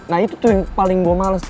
nah itu tuh yang paling gue males